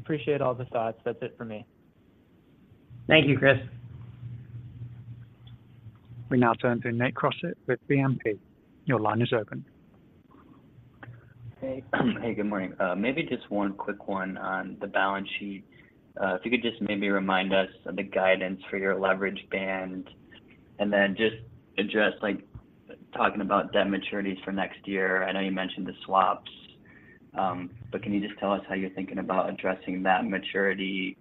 Appreciate all the thoughts. That's it for me. Thank you, Chris. We now turn to Nate Crossett with BNP. Your line is open. Hey, hey, good morning. Maybe just one quick one on the balance sheet. If you could just maybe remind us of the guidance for your leverage band, and then just address, like, talking about debt maturities for next year. I know you mentioned the swaps, but can you just tell us how you're thinking about addressing that maturity?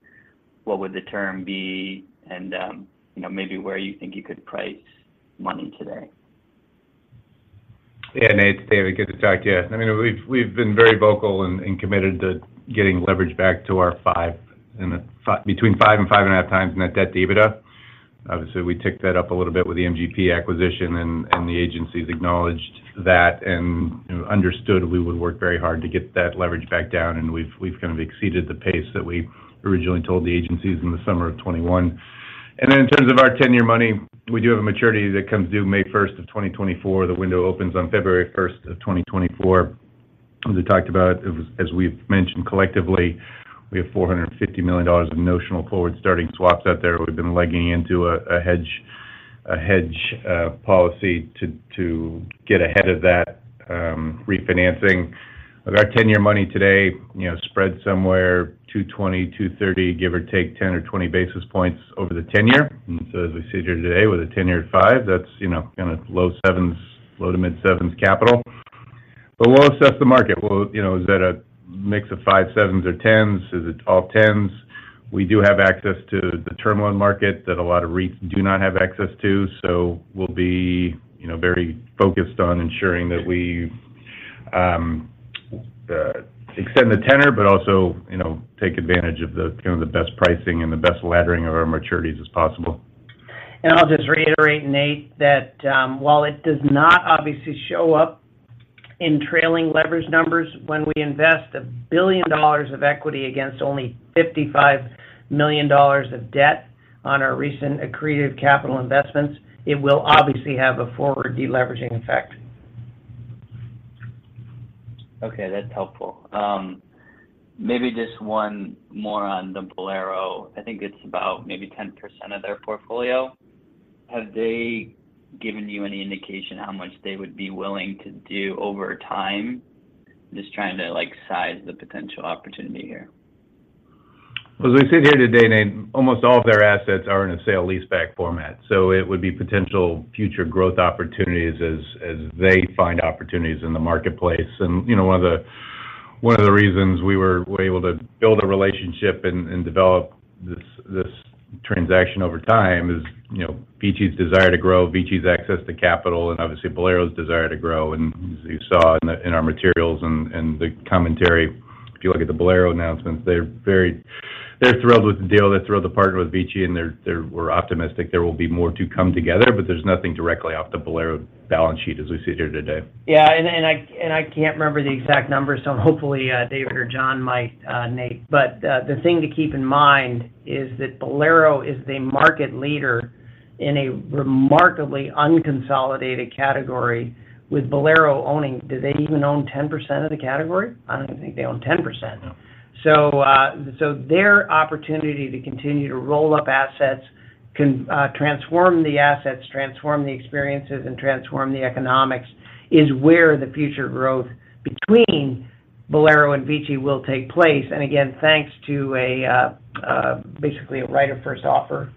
What would the term be? And, you know, maybe where you think you could price money today. Yeah, Nate, it's David. Good to talk to you. I mean, we've been very vocal and committed to getting leverage back to our 5, in the between 5 and 5.5 times net debt to EBITDA. Obviously, we ticked that up a little bit with the MGP acquisition, and the agencies acknowledged that and, you know, understood we would work very hard to get that leverage back down, and we've kind of exceeded the pace that we originally told the agencies in the summer of 2021. Then in terms of our tenure money, we do have a maturity that comes due May 1st of 2024. The window opens on February 1st of 2024. As we talked about, as we've mentioned collectively, we have $450 million of notional forward starting swaps out there. We've been legging into a hedge policy to get ahead of that refinancing. Our tenure money today, you know, spread somewhere 220, 230, give or take 10 or 20 basis points over the 10-year. And so as we sit here today with a tenure 5, that's, you know, kind of low 7s, low- to mid-7s capital. But we'll assess the market. We'll, you know, is that a mix of 5s, 7s, or 10s? Is it all 10s? We do have access to the term loan market that a lot of REITs do not have access to, so we'll be, you know, very focused on ensuring that we extend the tenor, but also, you know, take advantage of the best pricing and the best laddering of our maturities as possible. I'll just reiterate, Nate, that while it does not obviously show up in trailing leverage numbers, when we invest $1 billion of equity against only $55 million of debt on our recent accretive capital investments, it will obviously have a forward deleveraging effect. Okay, that's helpful. Maybe just one more on the Bowlero. I think it's about maybe 10% of their portfolio. Have they given you any indication how much they would be willing to do over time? Just trying to, like, size the potential opportunity here. As we sit here today, Nate, almost all of their assets are in a sale-leaseback format, so it would be potential future growth opportunities as, as they find opportunities in the marketplace. And, you know, one of the, one of the reasons we were able to build a relationship and, and develop this, this transaction over time is, you know, VICI's desire to grow, VICI's access to capital, and obviously, Bowlero's desire to grow. And as you saw in the in our materials and, and the commentary, if you look at the Bowlero announcements, they're very they're thrilled with the deal. They're thrilled to partner with VICI, and they're, they're we're optimistic there will be more to come together, but there's nothing directly off the Bowlero balance sheet as we sit here today. Yeah, and, and I, and I can't remember the exact numbers, so hopefully, David or John might, Nate. But, the thing to keep in mind is that Bowlero is the market leader in a remarkably unconsolidated category, with Bowlero owning... Do they even own 10% of the category? I don't even think they own 10%. No. So, so their opportunity to continue to roll up assets, can, transform the assets, transform the experiences, and transform the economics, is where the future growth between Bowlero and VICI will take place. And again, thanks to a, basically, a right of first offer,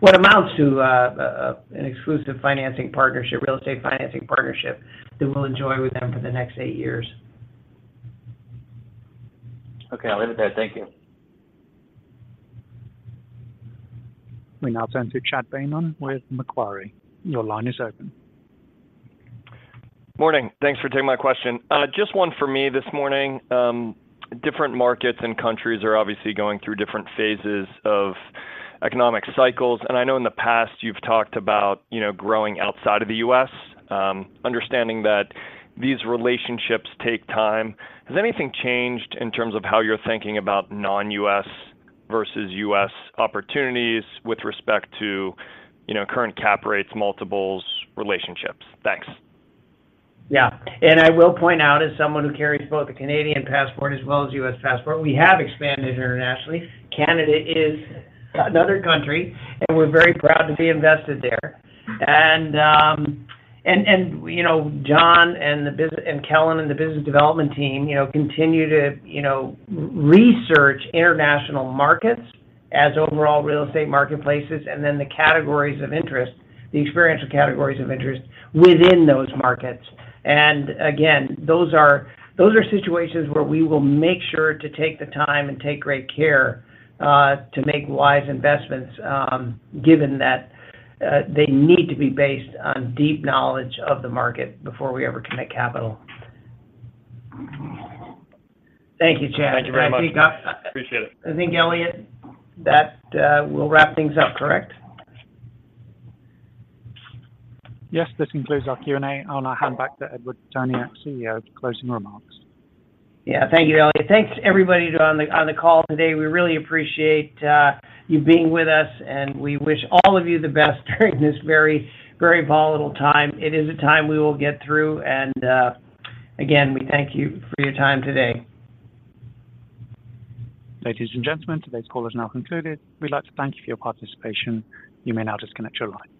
what amounts to a, an exclusive financing partnership, real estate financing partnership, that we'll enjoy with them for the next eight years. Okay, I'll leave it there. Thank you. We now turn to Chad Beynon with Macquarie. Your line is open. Morning. Thanks for taking my question. Just one for me this morning. Different markets and countries are obviously going through different phases of economic cycles, and I know in the past you've talked about, you know, growing outside of the U.S., understanding that these relationships take time. Has anything changed in terms of how you're thinking about non-U.S. versus U.S. opportunities with respect to, you know, current cap rates, multiples, relationships? Thanks. Yeah. I will point out, as someone who carries both a Canadian passport as well as U.S. passport, we have expanded internationally. Canada is another country, and we're very proud to be invested there. You know, John and the business development team, you know, continue to research international markets as overall real estate marketplaces, and then the categories of interest, the experiential categories of interest within those markets. Again, those are situations where we will make sure to take the time and take great care to make wise investments, given that they need to be based on deep knowledge of the market before we ever commit capital. Thank you, Chad. Thank you very much. I think, Appreciate it. I think, Elliot, that we'll wrap things up, correct? Yes, this concludes our Q&A. I'll now hand back to Edward Pitoniak, CEO, for closing remarks. Yeah. Thank you, Elliot. Thanks, everybody on the call today. We really appreciate you being with us, and we wish all of you the best during this very, very volatile time. It is a time we will get through, and again, we thank you for your time today. Ladies and gentlemen, today's call is now concluded. We'd like to thank you for your participation. You may now disconnect your lines.